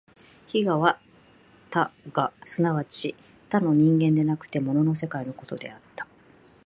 非我は他我即ち他の人間でなくて物の世界のことであった。